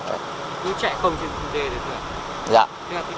cứ chạy không thì đưa được